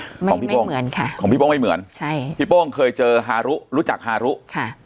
ของพี่โป้งเหมือนค่ะของพี่โป้งไม่เหมือนใช่พี่โป้งเคยเจอฮารุรู้จักฮารุค่ะ